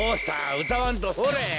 うたわんとほれ。